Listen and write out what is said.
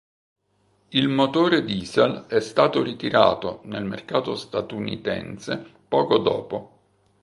Il motore diesel è stato ritirato nel mercato statunitense poco dopo.